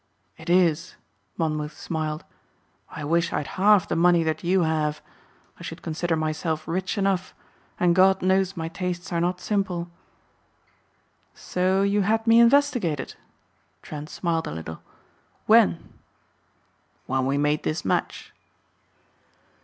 "It is," Monmouth smiled. "I wish I had half the money that you have. I should consider myself rich enough and God knows my tastes are not simple." "So you had me investigated?" Trent smiled a little. "When?" "When we made this match."